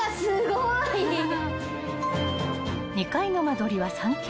［２階の間取りは３Ｋ］